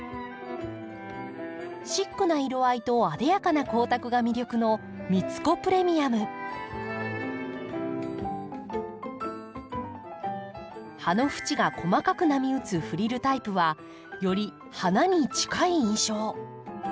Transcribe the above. シックな色合いとあでやかな光沢が魅力の葉の縁が細かく波打つフリルタイプはより花に近い印象。